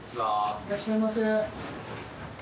いらっしゃいませ。